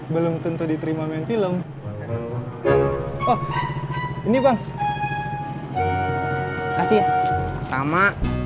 belum tentu diterima main film oh ini bang kasih sama